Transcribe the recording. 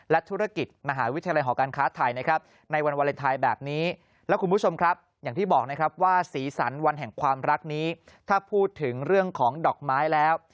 และธุรกิจมหาวิทยาลัยหอการค้าไทยนะครับ